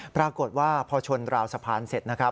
ปรากฏว่าพอชนราวสะพานเสร็จ